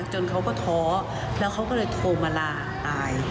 เขาก็ท้อแล้วเขาก็เลยโทรมาลาอาย